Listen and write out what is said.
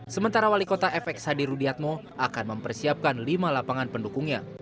sementara wali kota fx hadi rudiatmo akan mempersiapkan lima lapangan pendukungnya